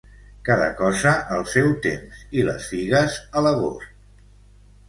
Cada cosa al seu temps, i les figues a l'agost.